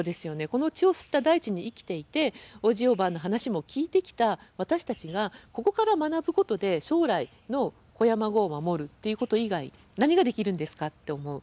この血を吸った大地に生きていておじいおばあの話も聞いてきた私たちがここから学ぶことで将来の子や孫を守るっていうこと以外何ができるんですかって思う。